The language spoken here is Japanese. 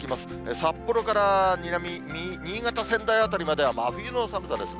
札幌から南、新潟、仙台辺りまでは真冬の寒さですね。